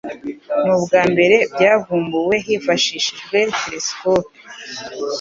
Ni ubwambere byavumbuwe hifashishijwe telesikope